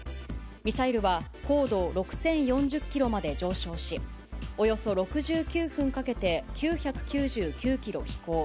ミサイルは高度６０４０キロまで上昇し、およそ６９分かけて、９９９キロ飛行。